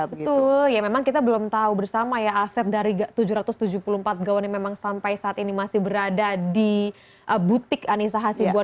betul ya memang kita belum tahu bersama ya aset dari tujuh ratus tujuh puluh empat gaun yang memang sampai saat ini masih berada di butik anissa hasibuan